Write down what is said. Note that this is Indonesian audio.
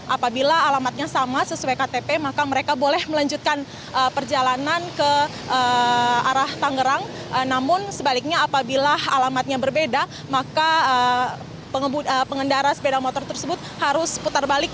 apabila alamatnya sama sesuai ktp maka mereka boleh melanjutkan perjalanan ke arah tangerang namun sebaliknya apabila alamatnya berbeda maka pengendara sepeda motor tersebut harus putar balik